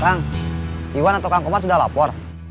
kang iwan atau kang kumar sudah lapor